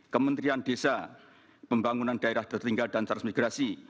kementerian desa pembangunan daerah tertinggal dan transmigrasi